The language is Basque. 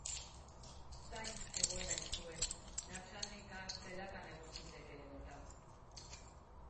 Zain egon nahi zuen, natxalnika zelatan egon zitekeen eta.